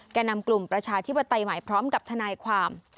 แก่นำกลุ่มประชาธิปไตยใหม่พร้อมกับทนายความ